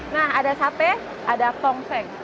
nah ada sate ada tongseng